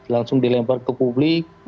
langsung dilempar ke publik